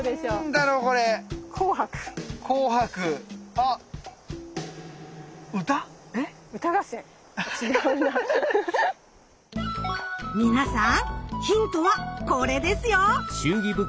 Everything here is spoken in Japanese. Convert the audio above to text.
あっ皆さんヒントはこれですよ。